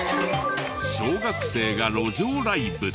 小学生が路上ライブ。